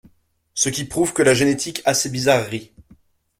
Ce qui prouve que la génétique a ses bizarreries.